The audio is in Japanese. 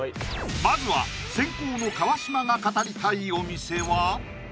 まずは先攻の川島が語りたいお店は？